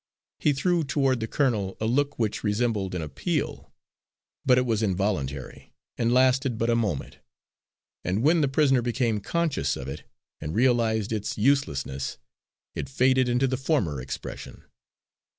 He threw toward the colonel a look which resembled an appeal; but it was involuntary, and lasted but a moment, and, when the prisoner became conscious of it, and realised its uselessness, it faded into the former expression.